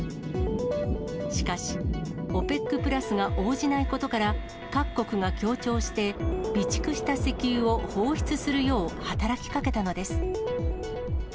しかし、ＯＰＥＣプラスが応じないことから、各国が協調して、備蓄した石油を放出するよう働きかけたのです。